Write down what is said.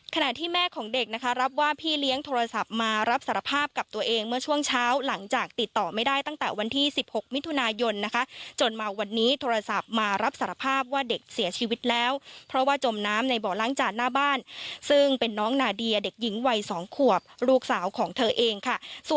ขณะที่แม่ของเด็กนะคะรับว่าพี่เลี้ยงโทรศัพท์มารับสารภาพกับตัวเองเมื่อช่วงเช้าหลังจากติดต่อไม่ได้ตั้งแต่วันที่๑๖มิถุนายนนะคะจนมาวันนี้โทรศัพท์มารับสารภาพว่าเด็กเสียชีวิตแล้วเพราะว่าจมน้ำในบ่อล้างจานหน้าบ้านซึ่งเป็นน้องนาเดียเด็กหญิงวัย๒ขวบลูกสาวของเธอเองค่ะ